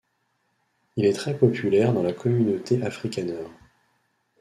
Il est très populaire dans la communauté afrikaner.